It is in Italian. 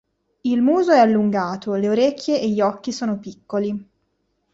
Il muso è allungato, le orecchie e gli occhi sono piccoli.